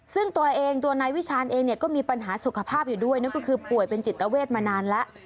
ซึ่งตัวเองตัวนายวิชาญเองเนี่ยก็มีปัญหาสุขภาพอยู่ด้วยนั่นก็คือป่วยเป็นจิตเวทมานานแล้ว